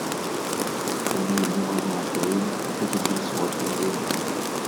Pendant un ouragan en Floride, une petite ville se retrouve isolée.